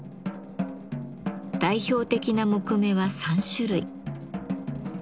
代表的な木目は３種類。